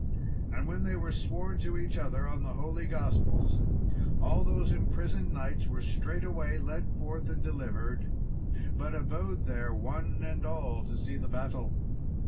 And when they were sworn to each other on the holy gospels, all those imprisoned knights were straightway led forth and delivered, but abode there one and all to see the battle.